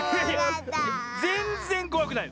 ぜんぜんこわくない！